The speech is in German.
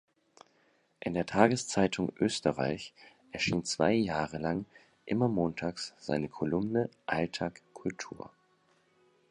In der Tageszeitung "Österreich" erschien zwei Jahre lang immer montags seine Kolumne „Alltag Kultur“.